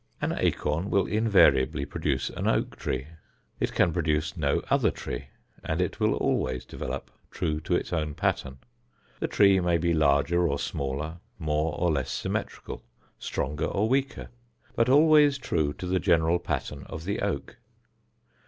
An acorn will invariably produce an oak tree. It can produce no other tree, and it will always develop true to its own pattern. The tree may be larger or smaller, more or less symmetrical, stronger or weaker, but always true to the general pattern of the oak.